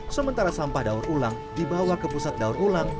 sementara sampah daur ulang dibawa ke pusat daur ulang